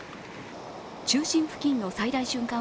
中心付近の最大瞬間